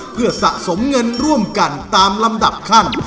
เพื่อสะสมเงินร่วมกันตามลำดับขั้น